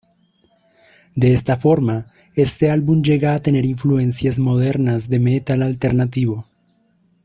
De esta forma, este álbum llega a tener influencias modernas de metal alternativo.